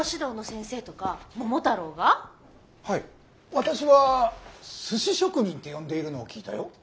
私は寿司職人って呼んでいるのを聞いたよ。